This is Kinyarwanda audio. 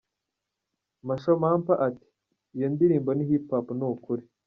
Masho Mampa ati, “Iyo ndirimbo ni Hip Hop, ni ukuri.